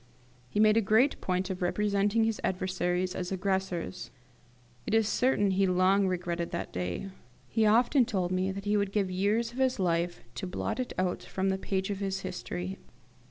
He made a great point of representing his adversaries as the aggressors. It is certain he long regretted that day. He often told me that he would give years of his life to blot it out from the page of his history.